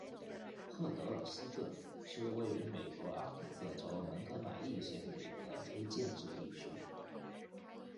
赫德尔斯顿是位于美国阿肯色州蒙哥马利县的一个非建制地区。